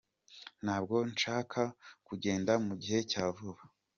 Ntabwo nshaka kugenda mu gihe cya vuba.